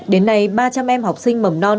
đến nay ba trăm linh em học sinh mầm non